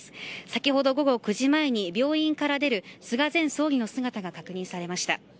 先ほど午後９時前に病院から出る菅前総理の姿が確認されました。